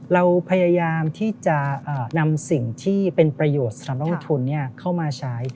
เราพยายามที่จะนำสิ่งที่เป็นประโยชน์สำหรับนักลงทุนเข้ามาใช้